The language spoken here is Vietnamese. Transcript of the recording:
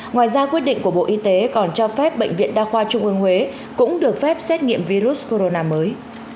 ngoài ra quyết định của bộ y tế còn cho phép bệnh viện đa khoa trung ương huế cũng được phép xét nghiệm virus corona mới